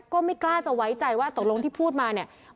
ก็ไม่กล้าจะไว้ใจว่าตกลงที่พูดมาเนี่ย